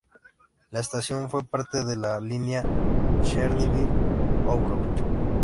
La estación fue parte de la línea Chernihiv-Ovruch.